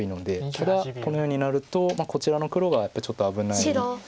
ただこのようになるとこちらの黒がやっぱりちょっと危ないのと。